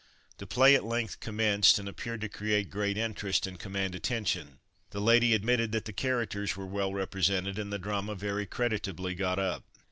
The play at length commenced, and appeared to create great interest and command attention. The lady admitted that the characters were well represented, and the drama very creditably got up.